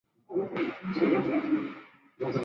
清晰语言的敌人是不诚实。